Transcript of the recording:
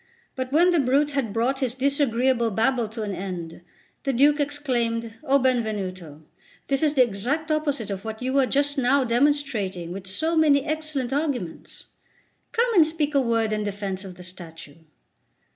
But when the brute had brought his disagreeable babble to an end, the Duke exclaimed: "O Benvenuto, this is the exact opposite of what you were just now demonstrating with so many excellent arguments. Come and speak a word in defence of the statue."